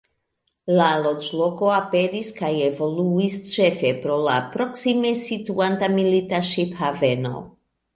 La loĝloko aperis kaj evoluis ĉefe pro la proksime situanta milita ŝip-haveno.